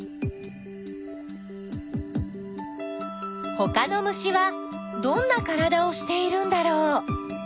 ほかの虫はどんなからだをしているんだろう？